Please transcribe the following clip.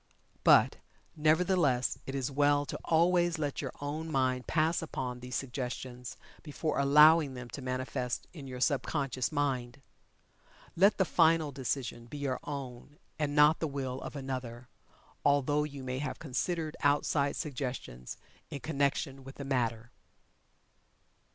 But, nevertheless, it is well to always let your own mind pass upon these suggestions, before allowing them to manifest in your sub conscious mind. Let the final decision be your own and not the will of another although you may have considered outside suggestions in connection with the matter.